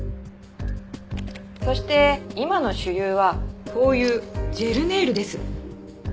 そして今の主流はこういうジェルネイルです。